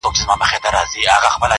خره یې وروڼه وه آسونه یې خپلوان وه-